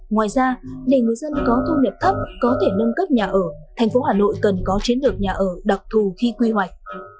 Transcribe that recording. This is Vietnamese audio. ngoài ra để người dân có thu nhập thấp có thể nâng cấp nhà ở thành phố hà nội cần có chiến lược nhà ở đặc thù khi quy hoạch